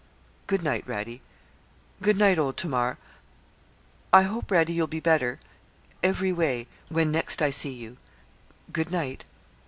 'Good night, Radie good night, old Tamar. I hope, Radie, you'll be better every way when next I see you. Good night.'